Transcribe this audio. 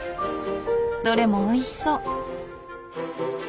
どれもおいしそう！